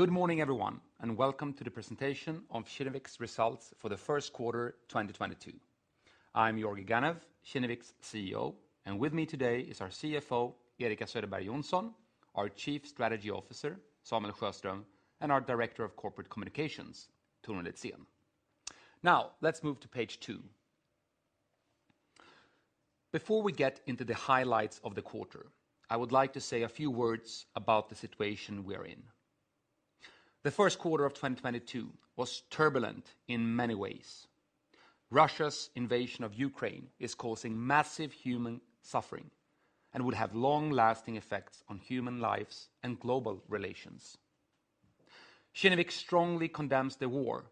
Good morning everyone, and welcome to the presentation of Kinnevik's results for the first quarter 2022. I'm Georgi Ganev, Kinnevik's CEO, and with me today is our CFO, Erika Söderberg Johnson, our Chief Strategy Officer, Samuel Sjöström, and our Director of Corporate Communications, Torun Litzén. Now, let's move to page two. Before we get into the highlights of the quarter, I would like to say a few words about the situation we are in. The first quarter of 2022 was turbulent in many ways. Russia's invasion of Ukraine is causing massive human suffering and will have long-lasting effects on human lives and global relations. Kinnevik strongly condemns the war,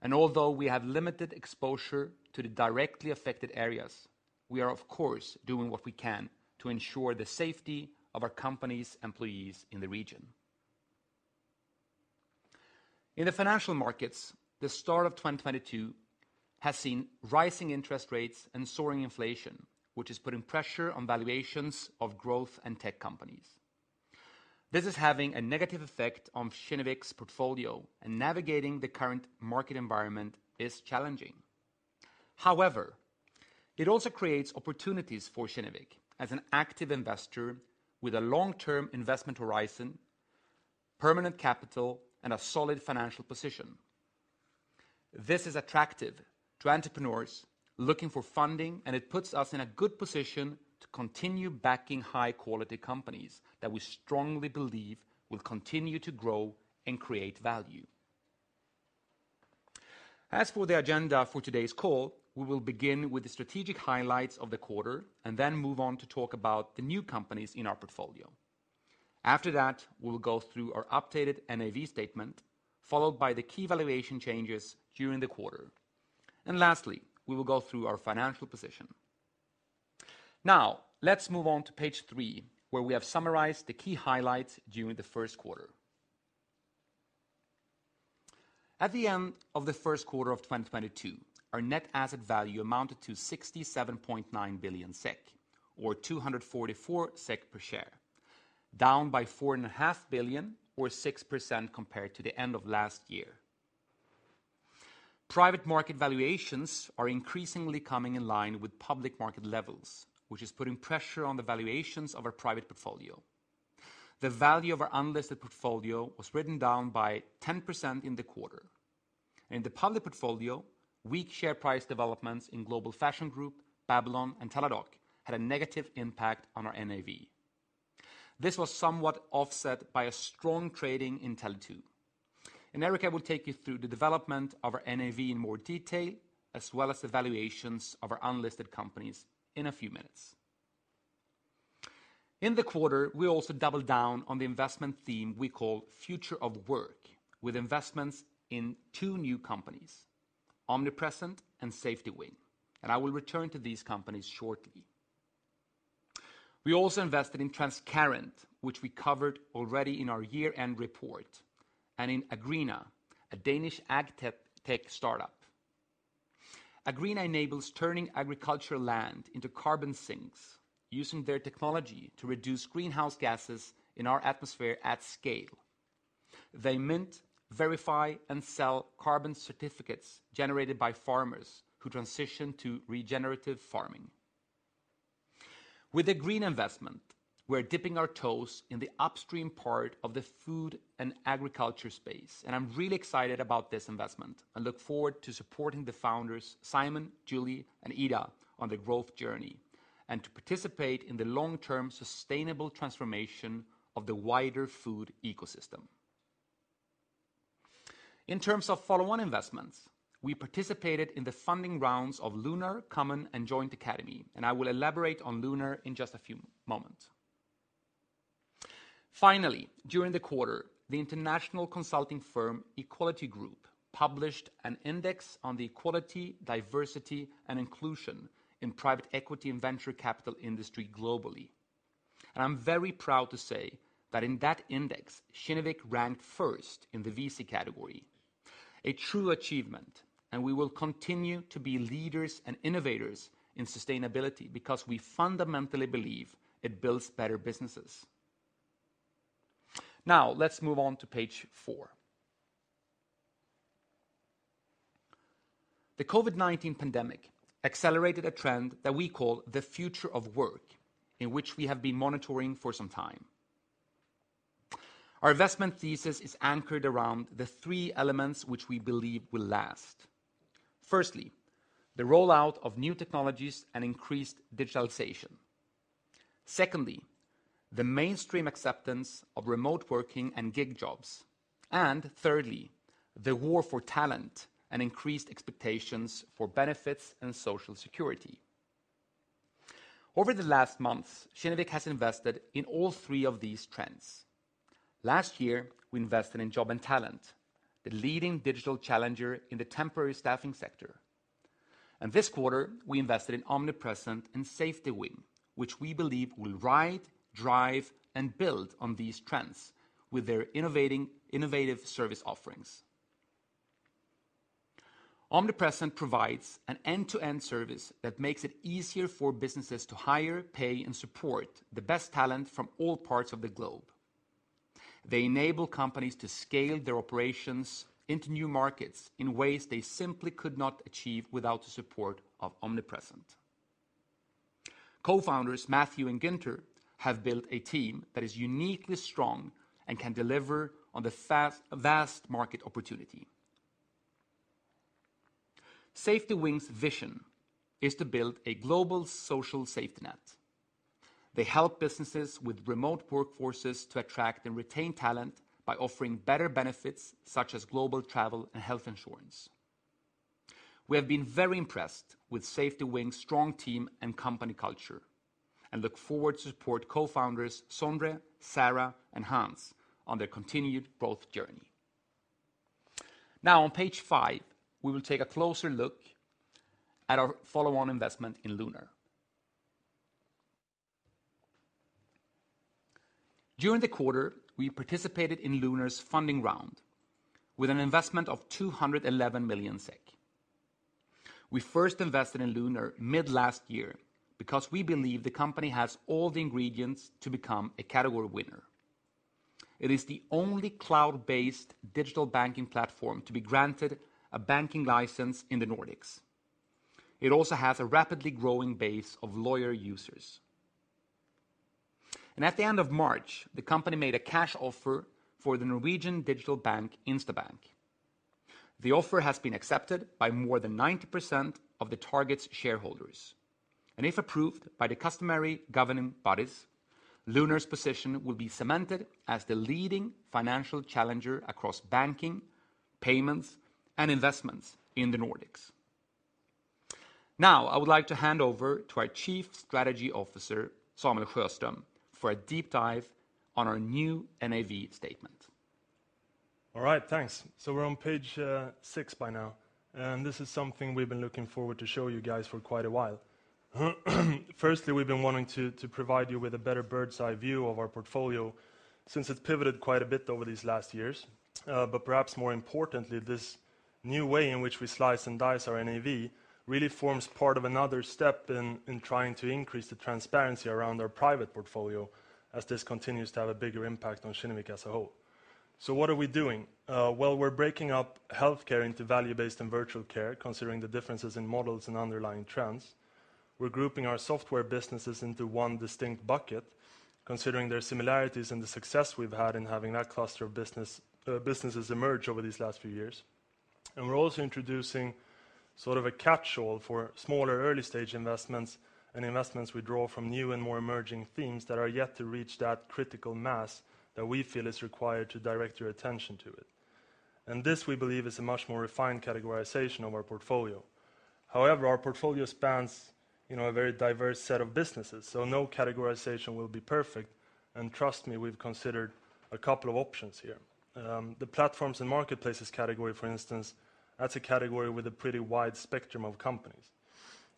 and although we have limited exposure to the directly affected areas, we are of course doing what we can to ensure the safety of our company's employees in the region. In the financial markets, the start of 2022 has seen rising interest rates and soaring inflation, which is putting pressure on valuations of growth and tech companies. This is having a negative effect on Kinnevik's portfolio, and navigating the current market environment is challenging. However, it also creates opportunities for Kinnevik as an active investor with a long-term investment horizon, permanent capital, and a solid financial position. This is attractive to entrepreneurs looking for funding, and it puts us in a good position to continue backing high-quality companies that we strongly believe will continue to grow and create value. As for the agenda for today's call, we will begin with the strategic highlights of the quarter and then move on to talk about the new companies in our portfolio. After that, we will go through our updated NAV statement, followed by the key valuation changes during the quarter. Lastly, we will go through our financial position. Now, let's move on to page three, where we have summarized the key highlights during the first quarter. At the end of the first quarter of 2022, our net asset value amounted to 67.9 billion SEK, or 244 SEK per share, down by 4.5 billion or 6% compared to the end of last year. Private market valuations are increasingly coming in line with public market levels, which is putting pressure on the valuations of our private portfolio. The value of our unlisted portfolio was written down by 10% in the quarter. In the public portfolio, weak share price developments in Global Fashion Group, Babylon, and Teladoc had a negative impact on our NAV. This was somewhat offset by a strong trading in Tele2. Erika will take you through the development of our NAV in more detail, as well as the valuations of our unlisted companies in a few minutes. In the quarter, we also doubled down on the investment theme we call Future of Work with investments in two new companies, Omnipresent and SafetyWing, and I will return to these companies shortly. We also invested in Transcarent, which we covered already in our year-end report, and in Agreena, a Danish ag-tech startup. Agreena enables turning agricultural land into carbon sinks using their technology to reduce greenhouse gases in our atmosphere at scale. They mint, verify, and sell carbon certificates generated by farmers who transition to regenerative farming. With an Agreena investment, we're dipping our toes in the upstream part of the food and agriculture space, and I'm really excited about this investment and look forward to supporting the founders Simon, Julie, and Ida on their growth journey and to participate in the long-term sustainable transformation of the wider food ecosystem. In terms of follow-on investments, we participated in the funding rounds of Lunar, Common, and Joint Academy, and I will elaborate on Lunar in just a few moments. Finally, during the quarter, the international consulting firm Equality Group published an index on the equality, diversity, and inclusion in private equity and venture capital industry globally. I'm very proud to say that in that index, Kinnevik ranked first in the VC category. A true achievement, and we will continue to be leaders and innovators in sustainability because we fundamentally believe it builds better businesses. Now, let's move on to page four. The COVID-19 pandemic accelerated a trend that we call the future of work in which we have been monitoring for some time. Our investment thesis is anchored around the three elements which we believe will last. Firstly, the rollout of new technologies and increased digitalization. Secondly, the mainstream acceptance of remote working and gig jobs. Thirdly, the war for talent and increased expectations for benefits and social security. Over the last months, Kinnevik has invested in all three of these trends. Last year, we invested in Job&Talent, the leading digital challenger in the temporary staffing sector. This quarter, we invested in Omnipresent and SafetyWing, which we believe will ride, drive, and build on these trends with their innovative service offerings. Omnipresent provides an end-to-end service that makes it easier for businesses to hire, pay, and support the best talent from all parts of the globe. They enable companies to scale their operations into new markets in ways they simply could not achieve without the support of Omnipresent. Co-founders Matthew and Guenther have built a team that is uniquely strong and can deliver on the vast market opportunity. SafetyWing's vision is to build a global social safety net. They help businesses with remote workforces to attract and retain talent by offering better benefits, such as global travel and health insurance. We have been very impressed with SafetyWing's strong team and company culture, and look forward to support co-founders Sondre, Sarah, and Hans on their continued growth journey. Now on page five, we will take a closer look at our follow-on investment in Lunar. During the quarter, we participated in Lunar's funding round with an investment of 211 million SEK. We first invested in Lunar mid last year because we believe the company has all the ingredients to become a category winner. It is the only cloud-based digital banking platform to be granted a banking license in the Nordics. It also has a rapidly growing base of loyal users. At the end of March, the company made a cash offer for the Norwegian digital bank, Instabank. The offer has been accepted by more than 90% of the target shareholders. If approved by the customary governing bodies, Lunar's position will be cemented as the leading financial challenger across banking, payments, and investments in the Nordics. Now, I would like to hand over to our Chief Strategy Officer, Samuel Sjöström, for a deep dive on our new NAV statement. All right, thanks. We're on page six by now, and this is something we've been looking forward to show you guys for quite a while. Firstly, we've been wanting to provide you with a better bird's eye view of our portfolio since it's pivoted quite a bit over these last years. Perhaps more importantly, this new way in which we slice and dice our NAV really forms part of another step in trying to increase the transparency around our private portfolio as this continues to have a bigger impact on Kinnevik as a whole. What are we doing? We're breaking up healthcare into value-based and virtual care, considering the differences in models and underlying trends. We're grouping our software businesses into one distinct bucket, considering their similarities and the success we've had in having that cluster of businesses emerge over these last few years. We're also introducing sort of a catch-all for smaller early-stage investments and investments we draw from new and more emerging themes that are yet to reach that critical mass that we feel is required to direct your attention to it. This, we believe, is a much more refined categorization of our portfolio. However, our portfolio spans, you know, a very diverse set of businesses, so no categorization will be perfect. Trust me, we've considered a couple of options here. The platforms and marketplaces category, for instance, that's a category with a pretty wide spectrum of companies.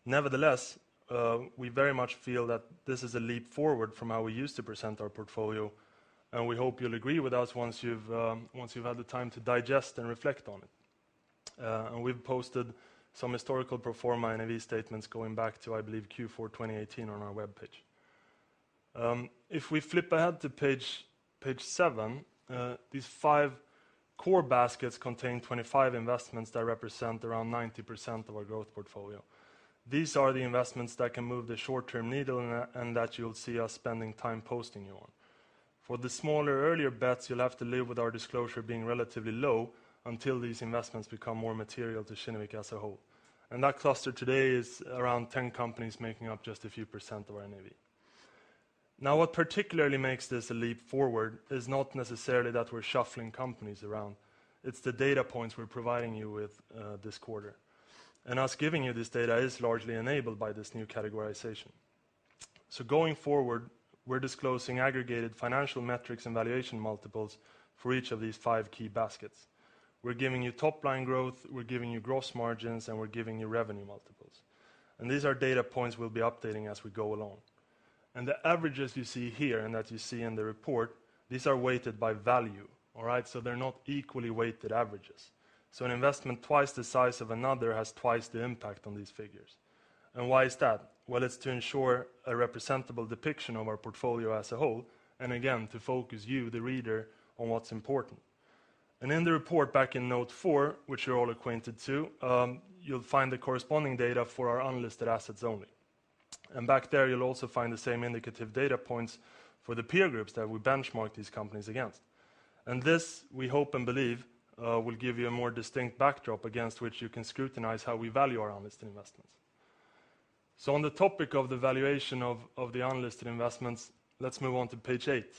Nevertheless, we very much feel that this is a leap forward from how we used to present our portfolio, and we hope you'll agree with us once you've had the time to digest and reflect on it. We've posted some historical pro forma NAV statements going back to, I believe, Q4 2018 on our webpage. If we flip ahead to page seven, these five core baskets contain 25 investments that represent around 90% of our growth portfolio. These are the investments that can move the short-term needle and that you'll see us spending time keeping you posted on. For the smaller earlier bets, you'll have to live with our disclosure being relatively low until these investments become more material to Kinnevik as a whole. That cluster today is around 10 companies making up just a few percent of our NAV. Now, what particularly makes this a leap forward is not necessarily that we're shuffling companies around, it's the data points we're providing you with, this quarter. Us giving you this data is largely enabled by this new categorization. Going forward, we're disclosing aggregated financial metrics and valuation multiples for each of these five key baskets. We're giving you top-line growth, we're giving you gross margins, and we're giving you revenue multiples. These are data points we'll be updating as we go along. The averages you see here and that you see in the report, these are weighted by value. All right. They're not equally weighted averages. An investment twice the size of another has twice the impact on these figures. Why is that? Well, it's to ensure a representative depiction of our portfolio as a whole, and again, to focus you, the reader, on what's important. In the report back in Note 4, which you're all acquainted with, you'll find the corresponding data for our unlisted assets only. Back there, you'll also find the same indicative data points for the peer groups that we benchmark these companies against. This, we hope and believe, will give you a more distinct backdrop against which you can scrutinize how we value our unlisted investments. On the topic of the valuation of the unlisted investments, let's move on to page eight.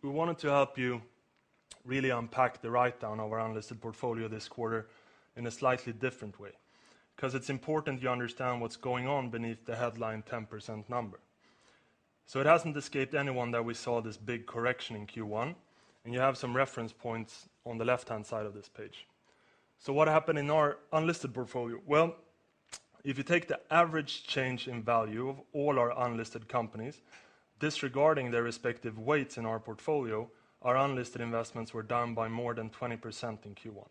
We wanted to help you really unpack the write-down of our unlisted portfolio this quarter in a slightly different way because it's important you understand what's going on beneath the headline 10% number. It hasn't escaped anyone that we saw this big correction in Q1, and you have some reference points on the left-hand side of this page. What happened in our unlisted portfolio? Well, if you take the average change in value of all our unlisted companies, disregarding their respective weights in our portfolio, our unlisted investments were down by more than 20% in Q1.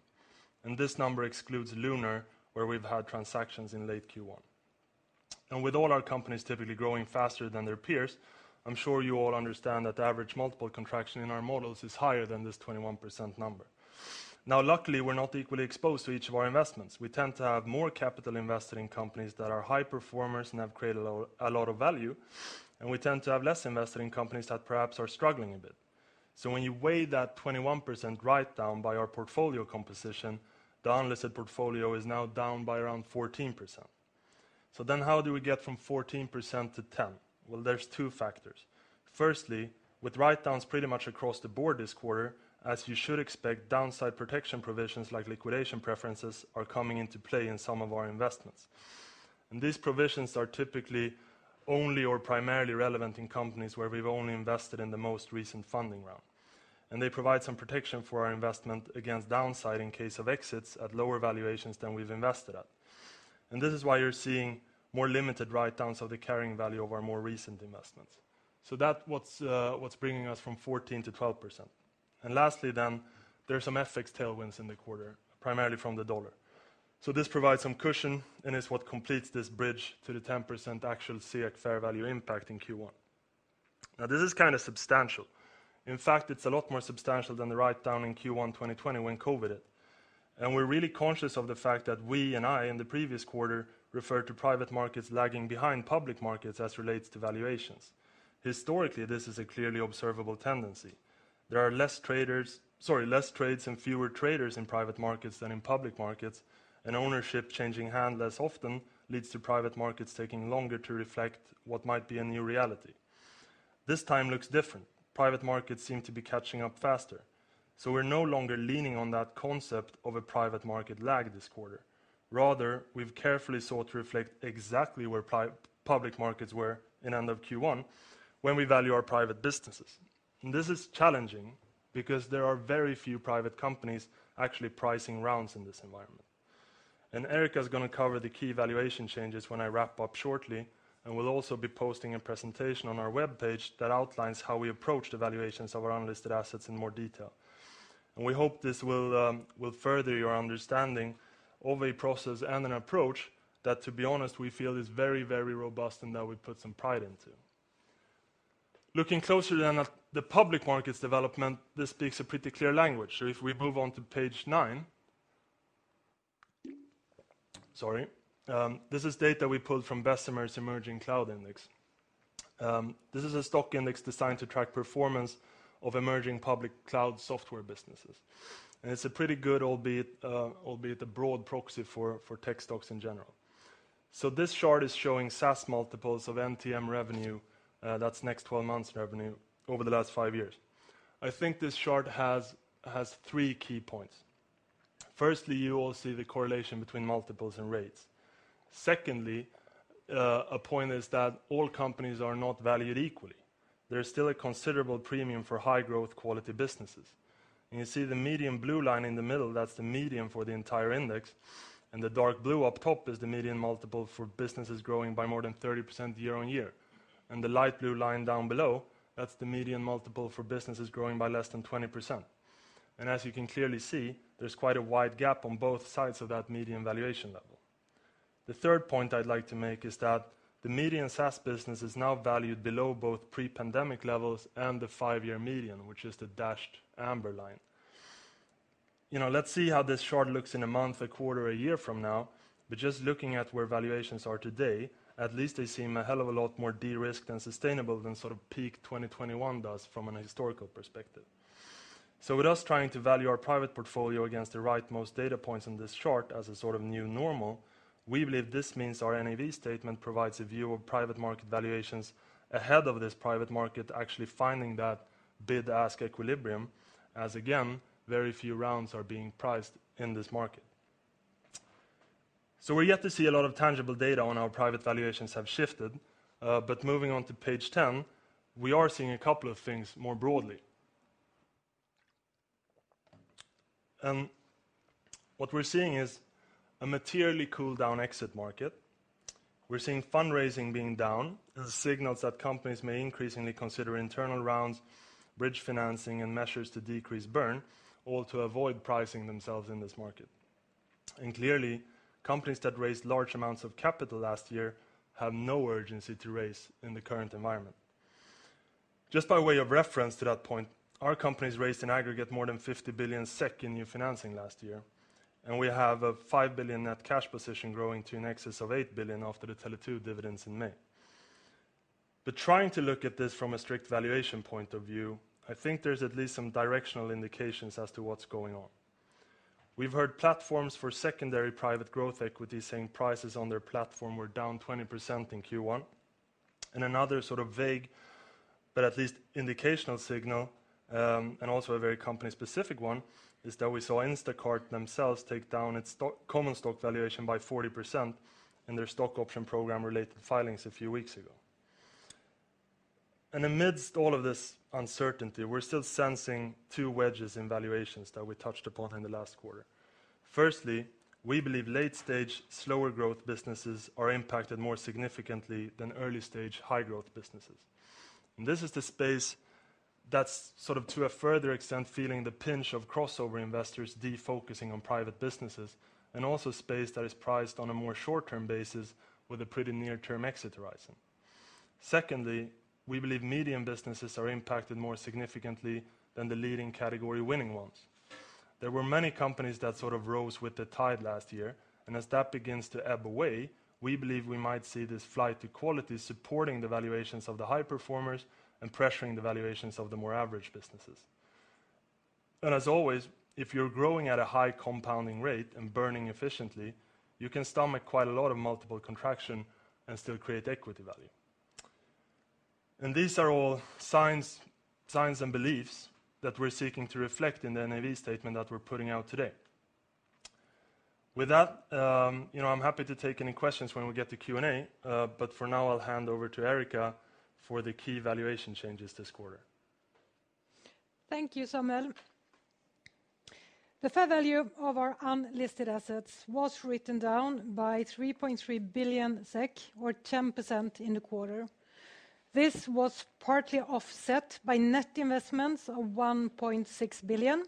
This number excludes Lunar, where we've had transactions in late Q1. With all our companies typically growing faster than their peers, I'm sure you all understand that the average multiple contraction in our models is higher than this 21% number. Now luckily, we're not equally exposed to each of our investments. We tend to have more capital invested in companies that are high performers and have created a lot of value, and we tend to have less invested in companies that perhaps are struggling a bit. When you weigh that 21% write down by our portfolio composition, the unlisted portfolio is now down by around 14%. Then how do we get from 14%-10%? Well, there's two factors. Firstly, with write downs pretty much across the board this quarter, as you should expect, downside protection provisions like liquidation preferences are coming into play in some of our investments. These provisions are typically only or primarily relevant in companies where we've only invested in the most recent funding round. They provide some protection for our investment against downside in case of exits at lower valuations than we've invested at. This is why you're seeing more limited write downs of the carrying value of our more recent investments. That's what's bringing us from 14%-12%. Lastly then, there's some FX tailwinds in the quarter, primarily from the U.S dollar. This provides some cushion and is what completes this bridge to the 10% actual FX fair value impact in Q1. Now, this is kinda substantial. In fact, it's a lot more substantial than the write down in Q1 2020 when COVID hit. We're really conscious of the fact that we and I in the previous quarter referred to private markets lagging behind public markets as it relates to valuations. Historically, this is a clearly observable tendency. There are less trades and fewer traders in private markets than in public markets, and ownership changing hand less often leads to private markets taking longer to reflect what might be a new reality. This time looks different. Private markets seem to be catching up faster, so we're no longer leaning on that concept of a private market lag this quarter. Rather, we've carefully sought to reflect exactly where public markets were in end of Q1 when we value our private businesses. This is challenging because there are very few private companies actually pricing rounds in this environment. Erika is gonna cover the key valuation changes when I wrap up shortly and will also be posting a presentation on our webpage that outlines how we approach the valuations of our unlisted assets in more detail. We hope this will further your understanding of a process and an approach that, to be honest, we feel is very, very robust and that we put some pride into. Looking closer at the public markets development, this speaks a pretty clear language. If we move on to page nine. Sorry. This is data we pulled from Bessemer’s Emerging Cloud Index. This is a stock index designed to track performance of emerging public cloud software businesses. It's a pretty good, albeit a broad proxy for tech stocks in general. This chart is showing SaaS multiples of NTM revenue, that's next 12 months revenue, over the last five years. I think this chart has three key points. Firstly, you all see the correlation between multiples and rates. Secondly, a point is that all companies are not valued equally. There's still a considerable premium for high-growth quality businesses. You see the median blue line in the middle, that's the median for the entire index, and the dark blue up top is the median multiple for businesses growing by more than 30% year-over-year. The light blue line down below, that's the median multiple for businesses growing by less than 20%. As you can clearly see, there's quite a wide gap on both sides of that median valuation level. The third point I'd like to make is that the median SaaS business is now valued below both pre-pandemic levels and the five-year median, which is the dashed amber line. You know, let's see how this chart looks in a month, a quarter, a year from now, but just looking at where valuations are today, at least they seem a hell of a lot more de-risked and sustainable than sort of peak 2021 does from an historical perspective. With us trying to value our private portfolio against the rightmost data points on this chart as a sort of new normal, we believe this means our NAV statement provides a view of private market valuations ahead of this private market actually finding that bid-ask equilibrium, as again, very few rounds are being priced in this market. We're yet to see a lot of tangible data on how private valuations have shifted, but moving on to page 10, we are seeing a couple of things more broadly. What we're seeing is a materially cooled down exit market. We're seeing fundraising being down as signals that companies may increasingly consider internal rounds, bridge financing, and measures to decrease burn, all to avoid pricing themselves in this market. Clearly, companies that raised large amounts of capital last year have no urgency to raise in the current environment. Just by way of reference to that point, our companies raised in aggregate more than 50 billion SEK in new financing last year, and we have a 5 billion net cash position growing to in excess of 8 billion after the Tele2 dividends in May. Trying to look at this from a strict valuation point of view, I think there's at least some directional indications as to what's going on. We've heard platforms for secondary private growth equity saying prices on their platform were down 20% in Q1. Another sort of vague but at least indicational signal, and also a very company-specific one, is that we saw Instacart themselves take down its common stock valuation by 40% in their stock option program related filings a few weeks ago. Amidst all of this uncertainty, we're still sensing two wedges in valuations that we touched upon in the last quarter. Firstly, we believe late stage slower growth businesses are impacted more significantly than early stage high growth businesses. This is the space that's sort of to a further extent feeling the pinch of crossover investors defocusing on private businesses and also space that is priced on a more short-term basis with a pretty near-term exit horizon. Secondly, we believe medium businesses are impacted more significantly than the leading category winning ones. There were many companies that sort of rose with the tide last year, and as that begins to ebb away, we believe we might see this flight to quality supporting the valuations of the high performers and pressuring the valuations of the more average businesses. As always, if you're growing at a high compounding rate and burning efficiently, you can stomach quite a lot of multiple contraction and still create equity value. These are all signs and beliefs that we're seeking to reflect in the NAV statement that we're putting out today. With that, you know, I'm happy to take any questions when we get to Q&A. But for now, I'll hand over to Erika for the key valuation changes this quarter. Thank you, Samuel. The fair value of our unlisted assets was written down by 3.3 billion SEK or 10% in the quarter. This was partly offset by net investments of 1.6 billion,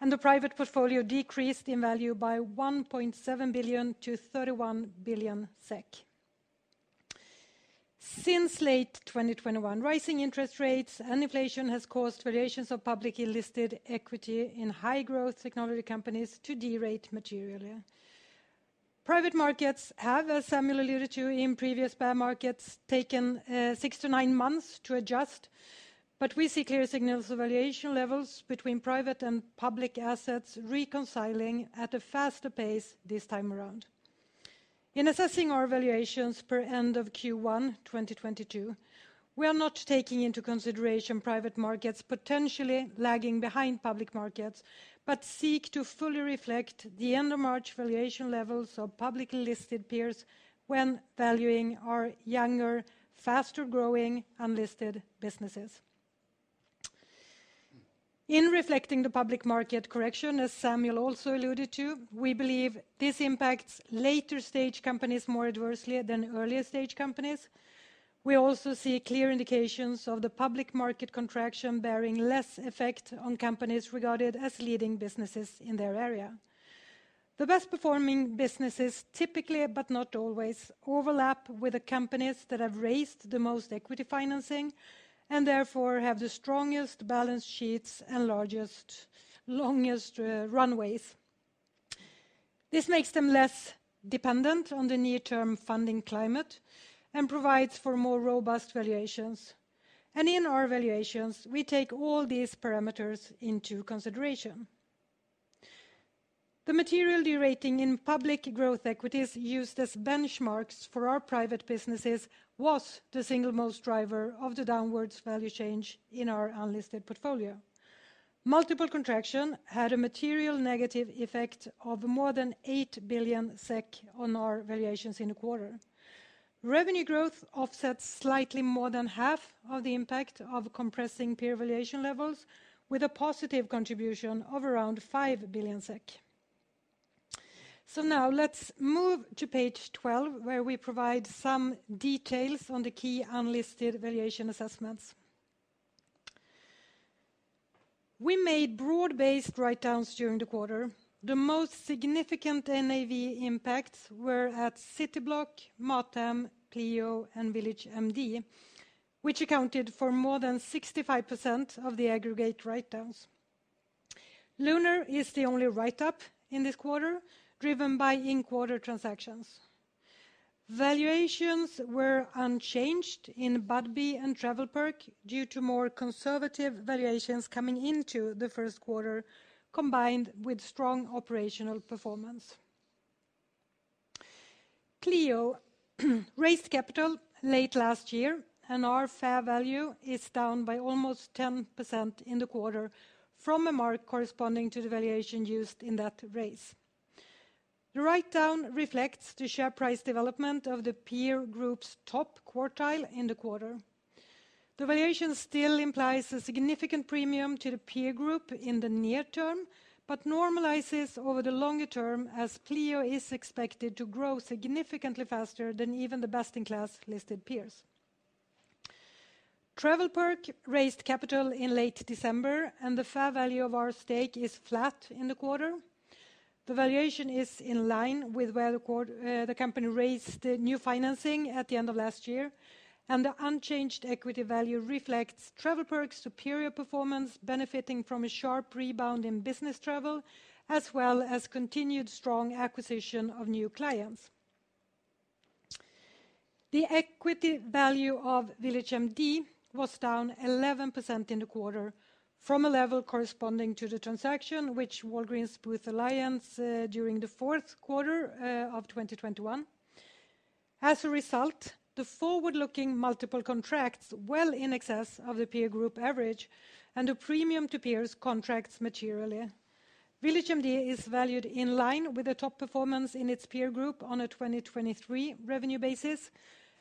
and the private portfolio decreased in value by 1.7 billion to 31 billion SEK. Since late 2021, rising interest rates and inflation has caused valuations of publicly listed equity in high growth technology companies to de-rate materially. Private markets have, as Samuel alluded to in previous bear markets, taken six to nine months to adjust, but we see clear signals of valuation levels between private and public assets reconciling at a faster pace this time around. In assessing our valuations per end of Q1 2022, we are not taking into consideration private markets potentially lagging behind public markets, but seek to fully reflect the end of March valuation levels of publicly listed peers when valuing our younger, faster-growing unlisted businesses. In reflecting the public market correction, as Samuel also alluded to, we believe this impacts later stage companies more adversely than earlier stage companies. We also see clear indications of the public market contraction bearing less effect on companies regarded as leading businesses in their area. The best performing businesses typically, but not always, overlap with the companies that have raised the most equity financing and therefore have the strongest balance sheets and largest, longest, runways. This makes them less dependent on the near-term funding climate and provides for more robust valuations. In our valuations, we take all these parameters into consideration. The material de-rating in public growth equities used as benchmarks for our private businesses was the single most driver of the downward value change in our unlisted portfolio. Multiple contraction had a material negative effect of more than 8 billion SEK on our valuations in a quarter. Revenue growth offsets slightly more than half of the impact of compressing peer valuation levels with a positive contribution of around 5 billion SEK. Now let's move to page 12, where we provide some details on the key unlisted valuation assessments. We made broad-based write-downs during the quarter. The most significant NAV impacts were at Cityblock, Mathem, Cleo, and VillageMD, which accounted for more than 65% of the aggregate write-downs. Lunar is the only write-up in this quarter, driven by in-quarter transactions. Valuations were unchanged in Budbee and TravelPerk due to more conservative valuations coming into the first quarter, combined with strong operational performance. Cleo raised capital late last year, and our fair value is down by almost 10% in the quarter from a mark corresponding to the valuation used in that raise. The write-down reflects the share price development of the peer group's top quartile in the quarter. The valuation still implies a significant premium to the peer group in the near term, but normalizes over the longer term as Cleo is expected to grow significantly faster than even the best-in-class listed peers. TravelPerk raised capital in late December, and the fair value of our stake is flat in the quarter. The valuation is in line with where the company raised the new financing at the end of last year, and the unchanged equity value reflects TravelPerk's superior performance benefiting from a sharp rebound in business travel, as well as continued strong acquisition of new clients. The equity value of VillageMD was down 11% in the quarter from a level corresponding to the transaction which Walgreens Boots Alliance during the fourth quarter of 2021. As a result, the forward-looking multiple contracts well in excess of the peer group average and a premium to peers contracts materially. VillageMD is valued in line with the top performance in its peer group on a 2023 revenue basis,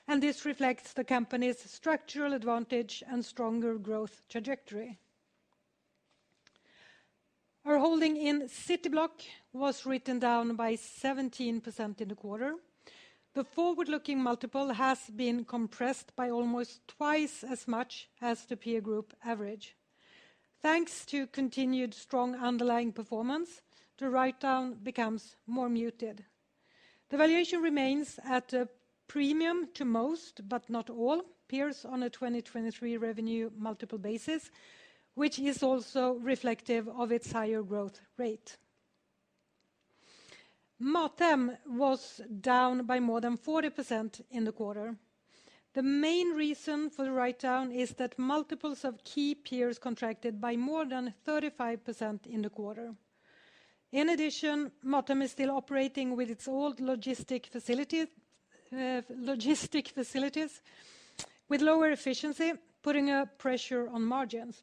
and this reflects the company's structural advantage and stronger growth trajectory. Our holding in Cityblock was written down by 17% in the quarter. The forward-looking multiple has been compressed by almost twice as much as the peer group average. Thanks to continued strong underlying performance, the write-down becomes more muted. The valuation remains at a premium to most, but not all peers on a 2023 revenue multiple basis, which is also reflective of its higher growth rate. Mathem was down by more than 40% in the quarter. The main reason for the write-down is that multiples of key peers contracted by more than 35% in the quarter. In addition, Mathem is still operating with its old logistics facility, logistics facilities with lower efficiency, putting a pressure on margins.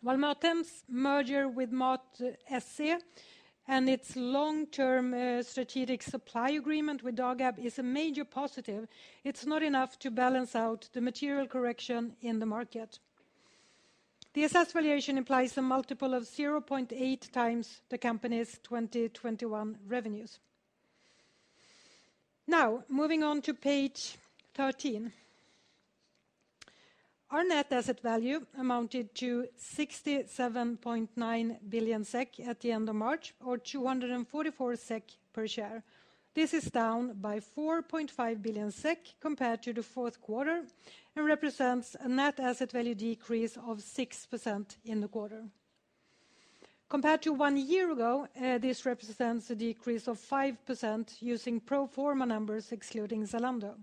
While Mathem's merger with Mat.se and its long-term, strategic supply agreement with Dagab is a major positive, it's not enough to balance out the material correction in the market. The assessed valuation implies a multiple of 0.8x the company's 2021 revenues. Now, moving on to page 13. Our net asset value amounted to 67.9 billion SEK at the end of March, or 244 SEK per share. This is down by 4.5 billion SEK compared to the fourth quarter and represents a net asset value decrease of 6% in the quarter. Compared to one year ago, this represents a decrease of 5% using pro forma numbers excluding Zalando.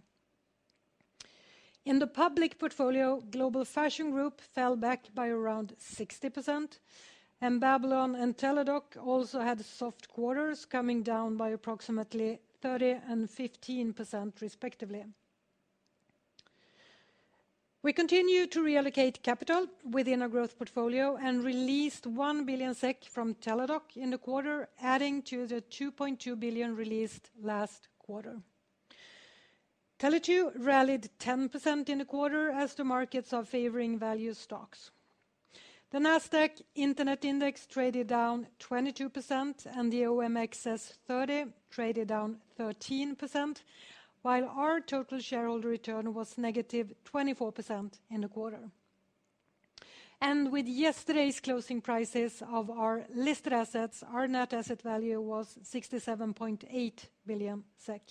In the public portfolio, Global Fashion Group fell back by around 60%, and Babylon and Teladoc also had soft quarters coming down by approximately 30% and 15% respectively. We continue to reallocate capital within our growth portfolio and released 1 billion SEK from Teladoc in the quarter, adding to the 2.2 billion released last quarter. Tele2 rallied 10% in the quarter as the markets are favoring value stocks. The NASDAQ Internet Index traded down 22% and the OMXS30 traded down 13%, while our total shareholder return was negative 24% in the quarter. With yesterday's closing prices of our listed assets, our net asset value was 67.8 billion SEK.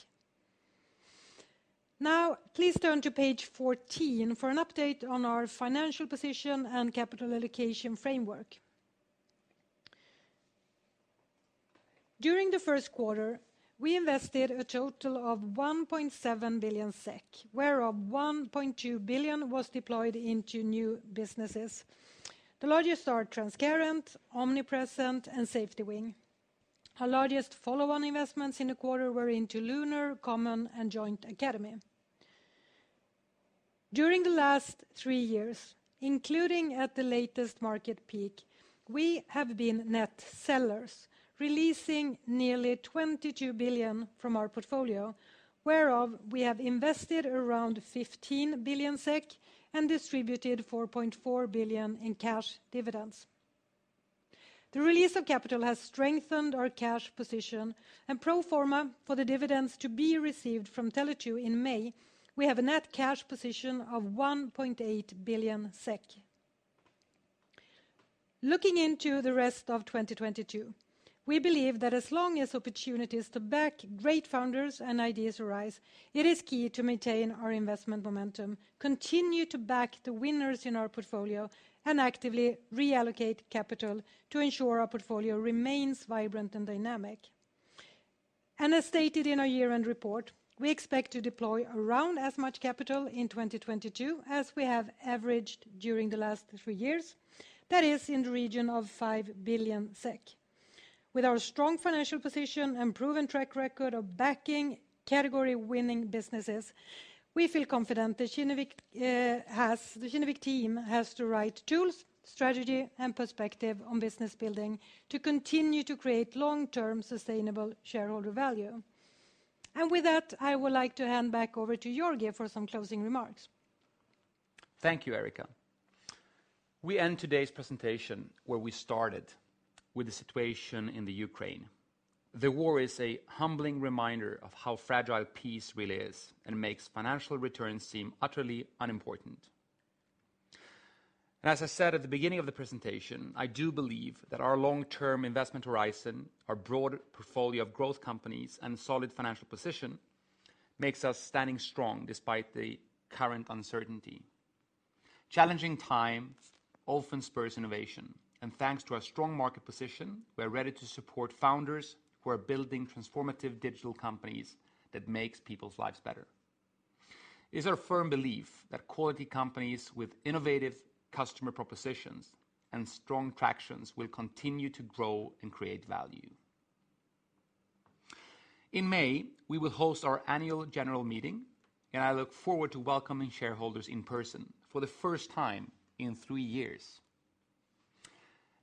Now, please turn to page 14 for an update on our financial position and capital allocation framework. During the first quarter, we invested a total of 1.7 billion SEK, whereof 1.2 billion was deployed into new businesses. The largest are Transcarent, Omnipresent, and SafetyWing. Our largest follow-on investments in the quarter were into Lunar, Common, and Joint Academy. During the last three years, including at the latest market peak, we have been net sellers, releasing nearly 22 billion from our portfolio, whereof we have invested around 15 billion SEK and distributed 4.4 billion in cash dividends. The release of capital has strengthened our cash position and pro forma for the dividends to be received from Tele2 in May, we have a net cash position of 1.8 billion SEK. Looking into the rest of 2022, we believe that as long as opportunities to back great founders and ideas arise, it is key to maintain our investment momentum, continue to back the winners in our portfolio, and actively reallocate capital to ensure our portfolio remains vibrant and dynamic. As stated in our year-end report, we expect to deploy around as much capital in 2022 as we have averaged during the last three years. That is in the region of 5 billion SEK. With our strong financial position and proven track record of backing category winning businesses, we feel confident that the Kinnevik team has the right tools, strategy, and perspective on business building to continue to create long-term sustainable shareholder value. With that, I would like to hand back over to Georgi for some closing remarks. Thank you, Erika. We end today's presentation where we started, with the situation in the Ukraine. The war is a humbling reminder of how fragile peace really is and makes financial returns seem utterly unimportant. As I said at the beginning of the presentation, I do believe that our long-term investment horizon, our broad portfolio of growth companies, and solid financial position makes us standing strong despite the current uncertainty. Challenging time often spurs innovation, and thanks to our strong market position, we're ready to support founders who are building transformative digital companies that makes people's lives better. It's our firm belief that quality companies with innovative customer propositions and strong tractions will continue to grow and create value. In May, we will host our annual general meeting, and I look forward to welcoming shareholders in person for the first time in three years.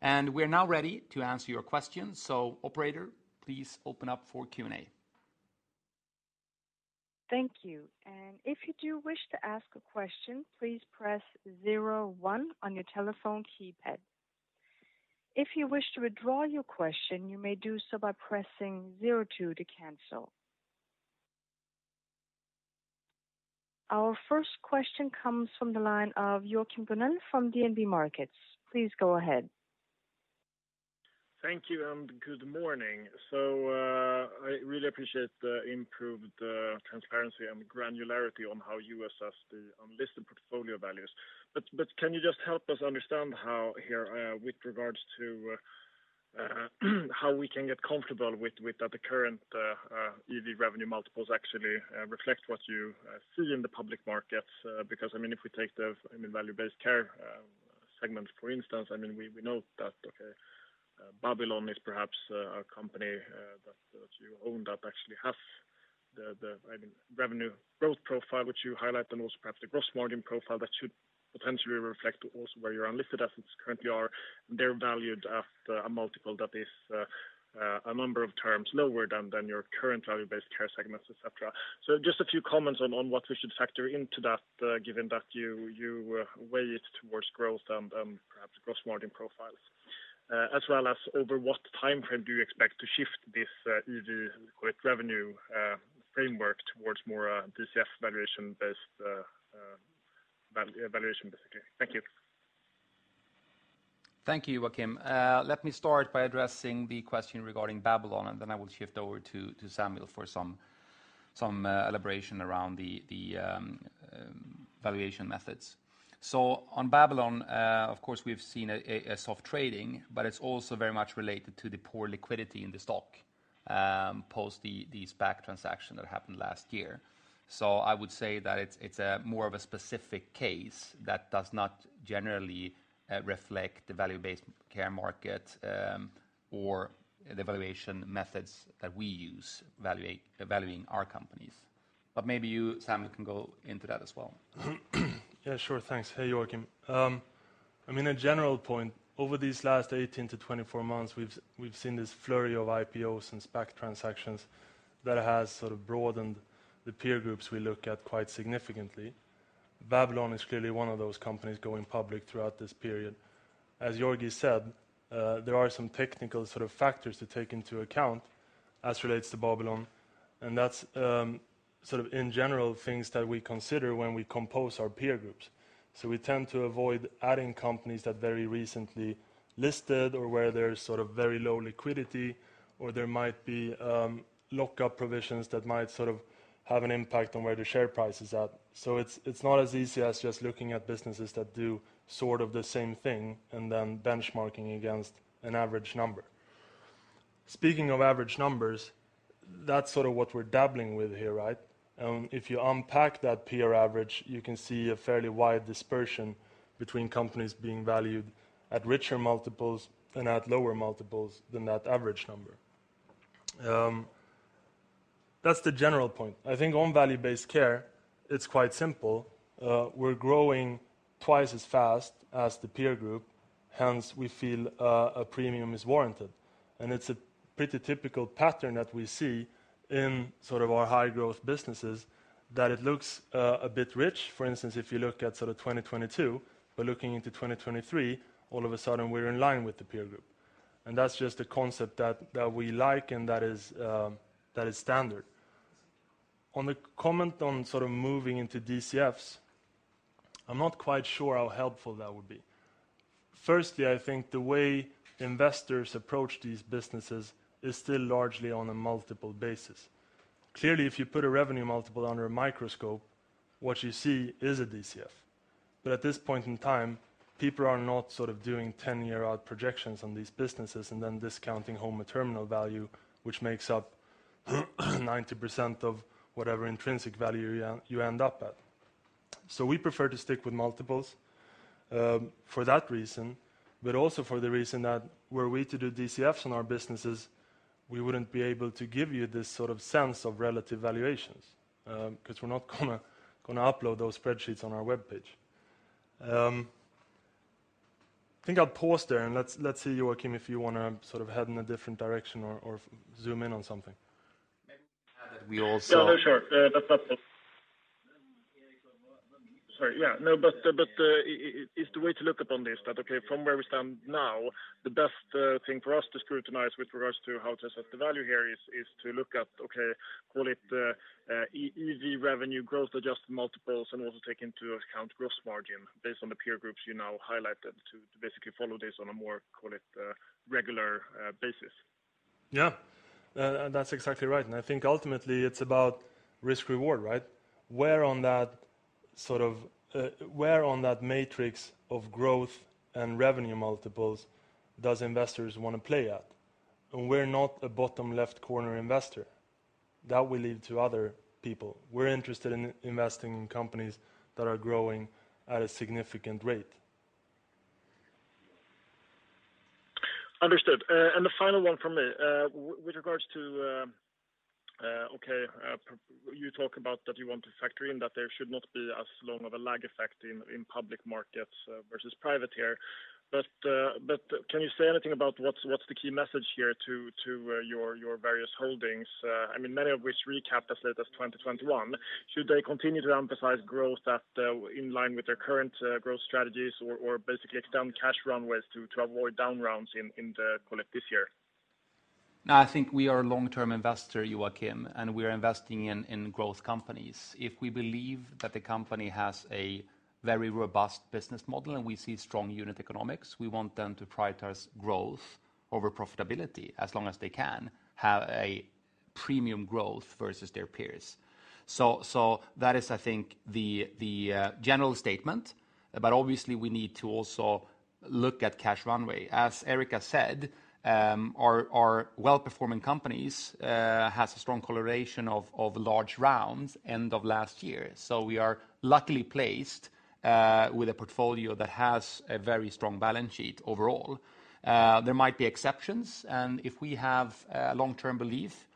We're now ready to answer your questions. Operator, please open up for Q&A. Thank you and if you do wish to ask a question please press zero one on your telephone keypad. If you wish to withdraw your question you can do so by pressing zero two, to cancel. Our first question comes from the line of Joachim Gunell from DNB Markets. Please go ahead. Thank you and good morning. I really appreciate the improved transparency and granularity on how you assess the unlisted portfolio values. Can you just help us understand how here with regards to how we can get comfortable with that the current EV/Revenue multiples actually reflect what you see in the public markets? I mean, if we take the value-based care segment, for instance, I mean, we know that, okay, Babylon is perhaps a company that you own that actually has the revenue growth profile which you highlight, and also perhaps the gross margin profile that should potentially reflect also where your unlisted assets currently are. They're valued at a multiple that is a number of terms lower than your current value-based care segments, et cetera. Just a few comments on what we should factor into that, given that you weigh it towards growth and perhaps gross margin profiles. As well as over what timeframe do you expect to shift this EV/Revenue framework towards more DCF valuation-based valuation basically? Thank you. Thank you, Joachim. Let me start by addressing the question regarding Babylon, and then I will shift over to Samuel for some elaboration around the valuation methods. On Babylon, of course, we've seen a soft trading, but it's also very much related to the poor liquidity in the stock post the SPAC transaction that happened last year. I would say that it's more of a specific case that does not generally reflect the value-based care market or the valuation methods that we use valuing our companies. Maybe you, Samuel, can go into that as well. Yeah, sure. Thanks. Hey, Joachim. I mean, a general point, over these last 18-24 months, we've seen this flurry of IPOs and SPAC transactions that has sort of broadened the peer groups we look at quite significantly. Babylon is clearly one of those companies going public throughout this period. As Georgi said, there are some technical sort of factors to take into account as relates to Babylon, and that's sort of in general things that we consider when we compose our peer groups. We tend to avoid adding companies that very recently listed, or where there's sort of very low liquidity, or there might be lockup provisions that might sort of have an impact on where the share price is at. It's not as easy as just looking at businesses that do sort of the same thing and then bench-marking against an average number. Speaking of average numbers, that's sort of what we're dabbling with here, right? If you unpack that peer average, you can see a fairly wide dispersion between companies being valued at richer multiples and at lower multiples than that average number. That's the general point. I think on value-based care, it's quite simple. We're growing twice as fast as the peer group, hence we feel a premium is warranted. It's a pretty typical pattern that we see in sort of our high-growth businesses that it looks a bit rich. For instance, if you look at sort of 2022, but looking into 2023, all of a sudden we're in line with the peer group. That's just a concept that we like and that is standard. On the comment on sort of moving into DCFs, I'm not quite sure how helpful that would be. Firstly, I think the way investors approach these businesses is still largely on a multiple basis. Clearly, if you put a revenue multiple under a microscope, what you see is a DCF. At this point in time, people are not sort of doing 10-year or so projections on these businesses and then discounting back a terminal value, which makes up 90% of whatever intrinsic value you end up at. We prefer to stick with multiples, for that reason, but also for the reason that were we to do DCFs on our businesses, we wouldn't be able to give you this sort of sense of relative valuations, 'cause we're not gonna upload those spreadsheets on our webpage. I think I'll pause there and let's see Joachim, if you wanna sort of head in a different direction or zoom in on something. Maybe we can add that we also. Yeah, no, sure. Is the way to look upon this that from where we stand now, the best thing for us to scrutinize with regards to how to set the value here is to look at call it EV/Revenue growth-adjusted multiples and also take into account gross margin based on the peer groups you now highlighted to basically follow this on a more call it regular basis. Yeah. That's exactly right. I think ultimately it's about risk reward, right? Where on that matrix of growth and revenue multiples does investors wanna play at? We're not a bottom left corner investor. That we leave to other people. We're interested in investing in companies that are growing at a significant rate. Understood. The final one from me, with regards to you talk about that you want to factor in that there should not be as long of a lag effect in public markets versus private here. Can you say anything about what's the key message here to your various holdings? I mean, many of which recap as late as 2021. Should they continue to emphasize growth that in line with their current growth strategies or basically extend cash runways to avoid down rounds in the collect this year? No, I think we are a long-term investor, Joachim, and we are investing in growth companies. If we believe that the company has a very robust business model and we see strong unit economics, we want them to prioritize growth over profitability as long as they can have a premium growth versus their peers. That is, I think, the general statement, but obviously we need to also look at cash runway. As Erika said, our well-performing companies has a strong correlation of large rounds end of last year. We are luckily placed with a portfolio that has a very strong balance sheet overall. There might be exceptions, and if we have a long-term belief,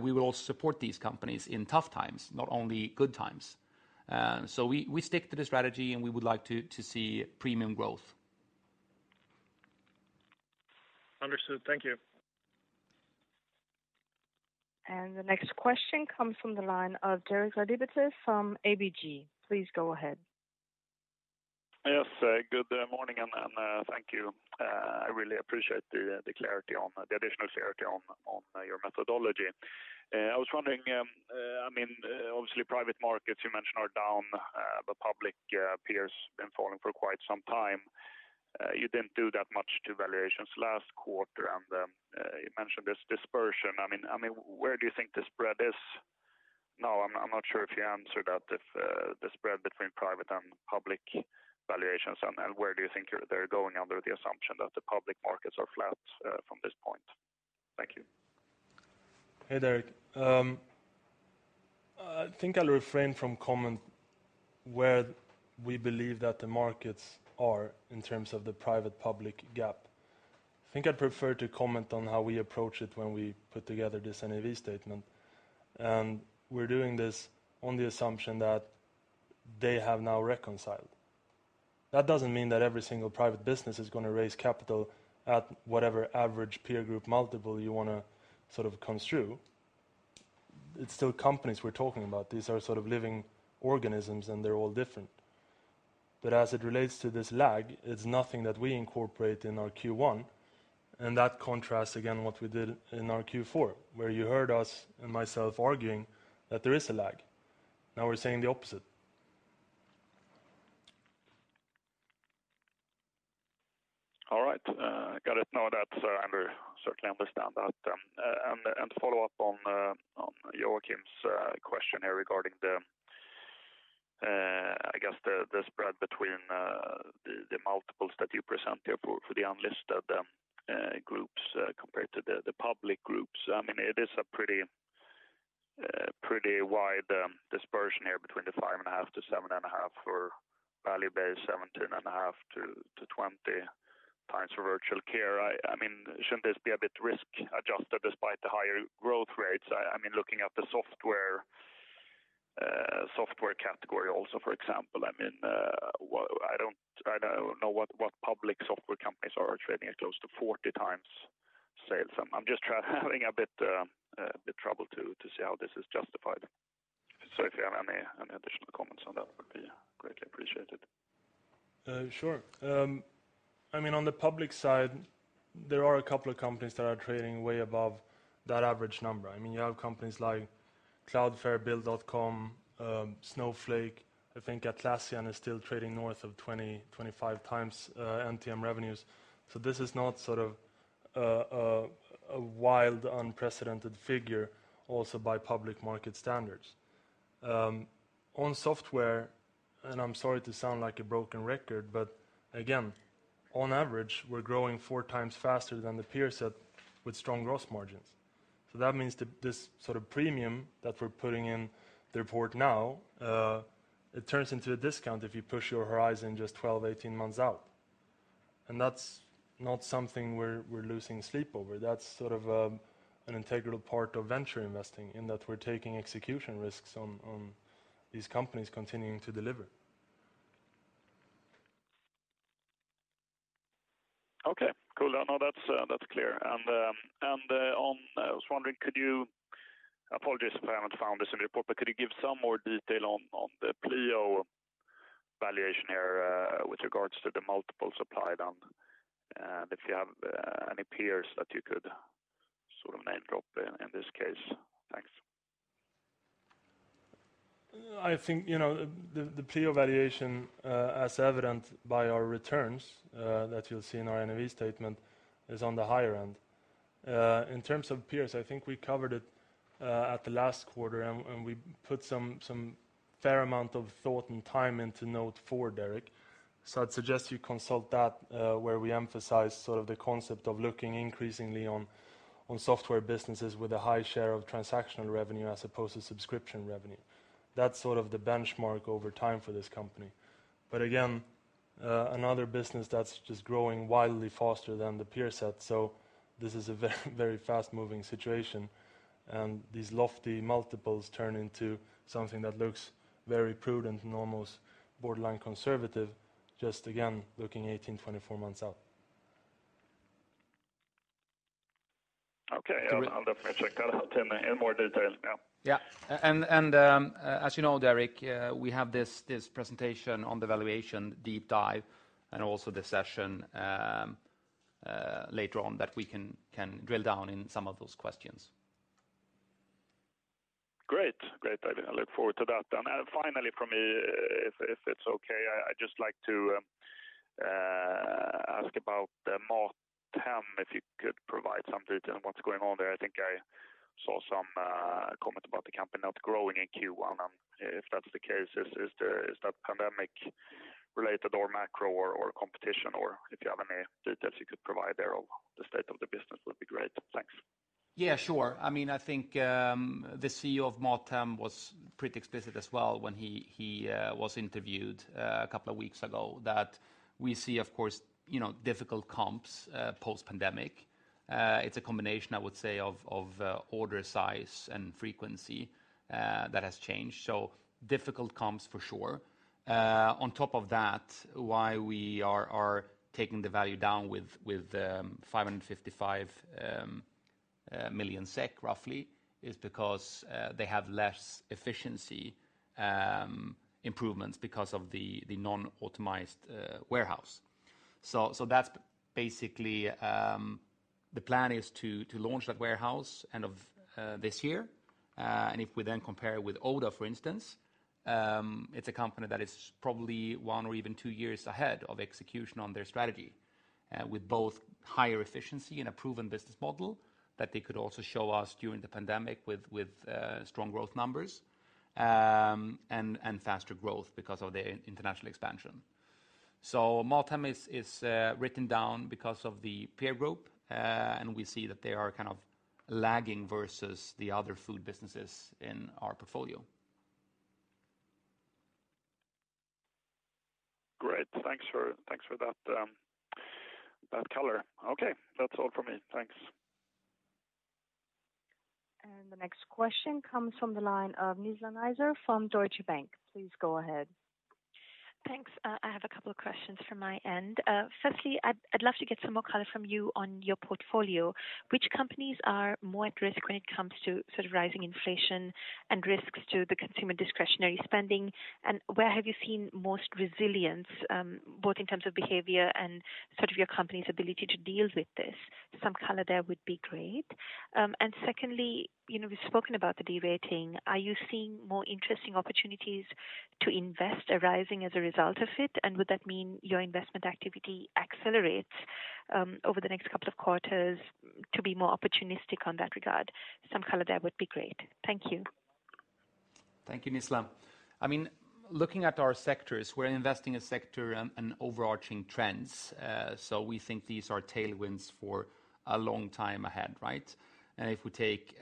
we will support these companies in tough times, not only good times. We stick to the strategy and we would like to see premium growth. Understood. Thank you. The next question comes from the line of Derek Laliberté from ABG. Please go ahead. Yes, good morning and thank you. I really appreciate the additional clarity on your methodology. I was wondering, I mean, obviously private markets you mentioned are down, but public peers been falling for quite some time. You didn't do that much to valuations last quarter, and you mentioned this dispersion. I mean, where do you think the spread is? Now I'm not sure if you answered that, if the spread between private and public valuations and where do you think they're going under the assumption that the public markets are flat from this point? Thank you. Hey, Derek. I think I'll refrain from comment where we believe that the markets are in terms of the private-public gap. I think I'd prefer to comment on how we approach it when we put together this NAV statement, and we're doing this on the assumption that they have now reconciled. That doesn't mean that every single private business is gonna raise capital at whatever average peer group multiple you wanna sort of construe. It's still companies we're talking about. These are sort of living organisms, and they're all different. As it relates to this lag, it's nothing that we incorporate in our Q1, and that contrasts again what we did in our Q4, where you heard us and myself arguing that there is a lag. Now we're saying the opposite. All right. Got it. No, that's. I certainly understand that. And follow-up on Joachim's question here regarding the, I guess the spread between the multiples that you present here for the unlisted groups compared to the public groups. I mean, it is a pretty wide dispersion here between the 5.5-7.5x for value-based 7.5-20x for virtual care. I mean, shouldn't this be a bit risk-adjusted despite the higher growth rates? I mean, looking at the software category also, for example. I mean. I don't know what public software companies are trading at close to 40x sales. I'm just having a bit of trouble seeing how this is justified. If you have any additional comments on that, would be greatly appreciated. Sure. I mean, on the public side, there are a couple of companies that are trading way above that average number. I mean, you have companies like Cloudflare, Bill.com, Snowflake. I think Atlassian is still trading north of 20x-25x NTM revenues. This is not sort of a wild, unprecedented figure also by public market standards. On software, and I'm sorry to sound like a broken record, but again, on average, we're growing four times faster than the peer set with strong growth margins. That means this sort of premium that we're putting in the report now, it turns into a discount if you push your horizon just 12-18 months out. That's not something we're losing sleep over. That's sort of an integral part of venture investing in that we're taking execution risks on these companies continuing to deliver. Okay. Cool. No, that's clear. I was wondering, apologies if I haven't found this in the report, but could you give some more detail on the Pleo valuation here, with regards to the multiples applied and if you have any peers that you could sort of name drop in this case? Thanks. I think, you know, the Pleo valuation, as evident by our returns, that you'll see in our NAV statement is on the higher end. In terms of peers, I think we covered it at the last quarter and we put some fair amount of thought and time into Note 4, Derek. I'd suggest you consult that, where we emphasize sort of the concept of looking increasingly on software businesses with a high share of transactional revenue as opposed to subscription revenue. That's sort of the benchmark over time for this company. Again Another business that's just growing wildly faster than the peer set. This is a very fast moving situation, and these lofty multiples turn into something that looks very prudent and almost borderline conservative. Just again, looking 18-24 months out. Okay. Great. I'll definitely check that out in more detail. Yeah. Yeah. As you know, Derek, we have this presentation on the valuation deep dive and also the session later on that we can drill down in some of those questions. Great. I look forward to that. Finally from me, if it's okay, I'd just like to ask about the Mathem, if you could provide some detail on what's going on there. I think I saw some comment about the company not growing in Q1. If that's the case, is that pandemic related or macro or competition, or if you have any details you could provide on the state of the business would be great. Thanks. Yeah, sure. I mean, I think the CEO of Mathem was pretty explicit as well when he was interviewed a couple of weeks ago that we see, of course, you know, difficult comps post-pandemic. It's a combination, I would say, of order size and frequency that has changed. Difficult comps for sure. On top of that, why we are taking the value down with 555 million SEK roughly is because they have less efficiency improvements because of the non-optimized warehouse. That's basically the plan is to launch that warehouse end of this year. If we then compare it with Oda, for instance, it's a company that is probably one or even two years ahead of execution on their strategy, with both higher efficiency and a proven business model that they could also show us during the pandemic with strong growth numbers, and faster growth because of the international expansion. Mathem is written down because of the peer group, and we see that they are kind of lagging versus the other food businesses in our portfolio. Great. Thanks for that color. Okay. That's all for me. Thanks. The next question comes from the line of Nizla Naizer from Deutsche Bank. Please go ahead. Thanks. I have a couple of questions from my end. Firstly, I'd love to get some more color from you on your portfolio. Which companies are more at risk when it comes to sort of rising inflation and risks to the consumer discretionary spending? And where have you seen most resilience, both in terms of behavior and sort of your company's ability to deal with this? Some color there would be great. And secondly, you know, we've spoken about the de-rating. Are you seeing more interesting opportunities to invest arising as a result of it? And would that mean your investment activity accelerates over the next couple of quarters to be more opportunistic on that regard? Some color there would be great. Thank you. Thank you, Nizla. I mean, looking at our sectors, we're investing in sectors and overarching trends. We think these are tailwinds for a long time ahead, right? If we take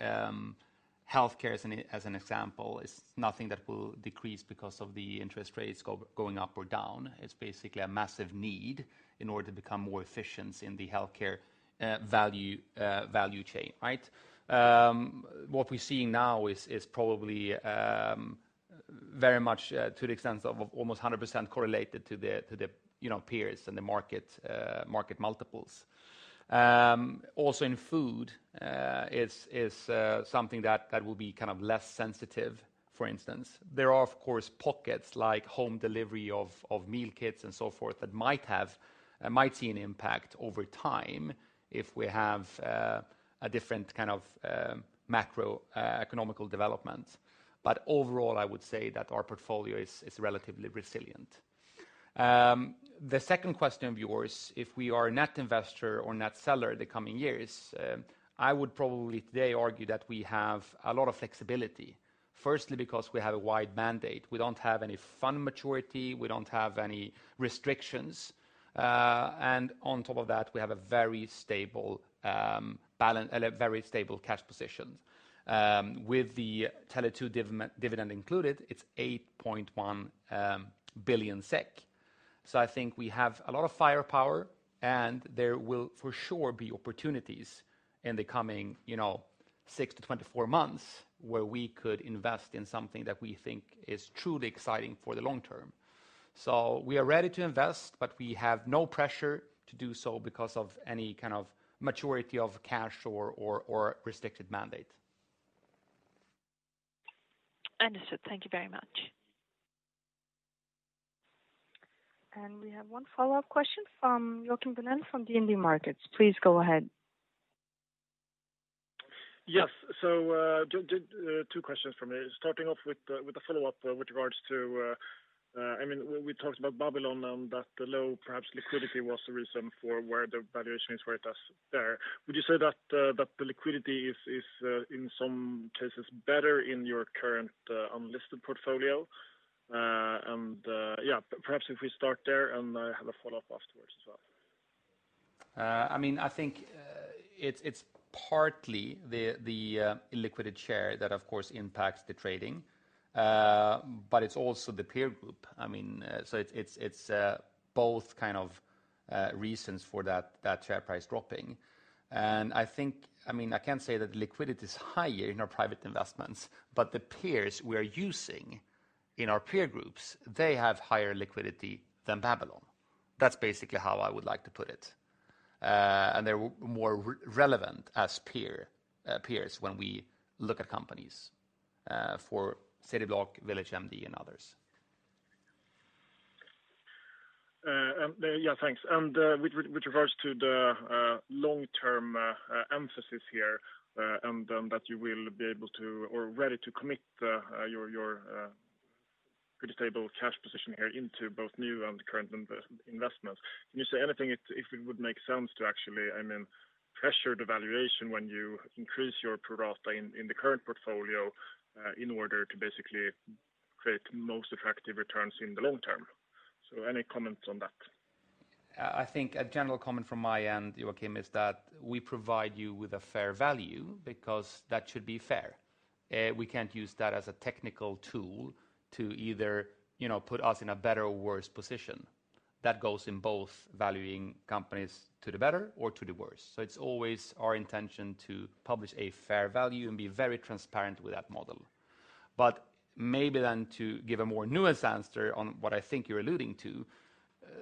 healthcare as an example, it's nothing that will decrease because of the interest rates going up or down. It's basically a massive need in order to become more efficient in the healthcare value chain, right? What we're seeing now is probably very much to the extent of almost 100% correlated to the, you know, peers and the market multiples. Also in food is something that will be kind of less sensitive, for instance. There are of course pockets like home delivery of meal kits and so forth that might have... Might see an impact over time if we have a different kind of macroeconomic development. Overall, I would say that our portfolio is relatively resilient. The second question of yours, if we are a net investor or net seller in the coming years, I would probably today argue that we have a lot of flexibility. Firstly, because we have a wide mandate. We don't have any fund maturity, we don't have any restrictions. On top of that, we have a very stable cash position. With the Tele2 dividend included, it's 8.1 billion SEK. I think we have a lot of firepower, and there will for sure be opportunities in the coming, you know, six to 24 months where we could invest in something that we think is truly exciting for the long term. We are ready to invest, but we have no pressure to do so because of any kind of maturity of cash or restricted mandate. Understood. Thank you very much. We have one follow-up question from Joachim Gunell from DNB Markets. Please go ahead. Yes, Joachim Gunell, two questions from me. Starting off with the follow-up with regards to, I mean, we talked about Babylon and that the low perhaps liquidity was the reason for where the valuation is, where it is there. Would you say that that the liquidity is in some cases better in your current unlisted portfolio? Yeah, perhaps if we start there and I have a follow-up afterwards as well. I mean, I think it's partly the illiquid share that of course impacts the trading. It's also the peer group. I mean, it's both kind of reasons for that share price dropping. I can't say that liquidity is higher in our private investments, but the peers we are using in our peer groups, they have higher liquidity than Babylon. That's basically how I would like to put it. They're more relevant as peers when we look at companies for Cityblock, VillageMD, and others. With regards to the long-term emphasis here, and that you will be able to or ready to commit your pretty stable cash position here into both new and current investments. Can you say anything if it would make sense to actually, I mean, pressure the valuation when you increase your pro rata in the current portfolio in order to basically create most attractive returns in the long term? Any comments on that? I think a general comment from my end, Joachim, is that we provide you with a fair value because that should be fair. We can't use that as a technical tool to either, you know, put us in a better or worse position. That goes in both valuing companies to the better or to the worse. It's always our intention to publish a fair value and be very transparent with that model. But maybe then to give a more nuanced answer on what I think you're alluding to,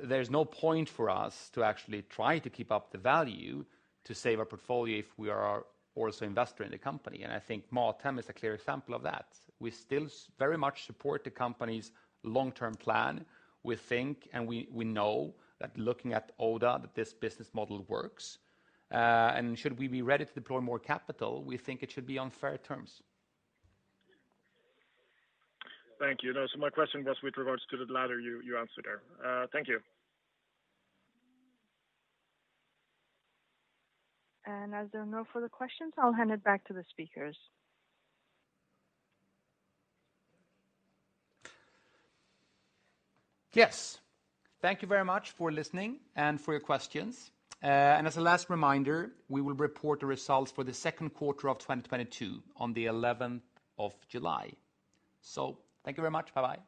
there's no point for us to actually try to keep up the value to save our portfolio if we are also investor in the company. I think Modern Times Group is a clear example of that. We still very much support the company's long-term plan. We think and we know that looking at Oda that this business model works. Should we be ready to deploy more capital, we think it should be on fair terms. Thank you. No, my question was with regards to the latter you answered there. Thank you. As there are no further questions, I'll hand it back to the speakers. Yes. Thank you very much for listening and for your questions. As a last reminder, we will report the results for the second quarter of 2022 on the eleventh of July. Thank you very much. Bye-bye.